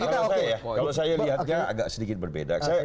kalau saya lihatnya agak sedikit berbeda